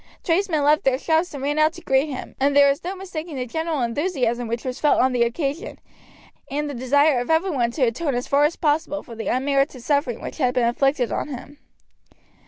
Tradesmen left their shops and ran out to greet him, and there was no mistaking the general enthusiasm which was felt on the occasion, and the desire of every one to atone as far as possible for the unmerited suffering which had been inflicted on him.